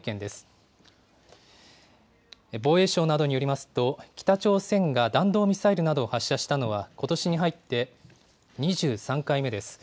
防衛省などによりますと、北朝鮮が弾道ミサイルなどを発射したのは、ことしに入って２３回目です。